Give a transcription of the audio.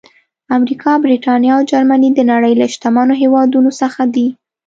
امریکا، برېټانیا او جرمني د نړۍ له شتمنو هېوادونو څخه دي.